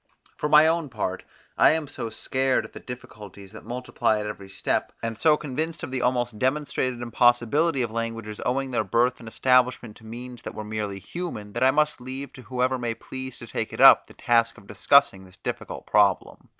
For my own part, I am so scared at the difficulties that multiply at every step, and so convinced of the almost demonstrated impossibility of languages owing their birth and establishment to means that were merely human, that I must leave to whoever may please to take it up, the task of discussing this difficult problem.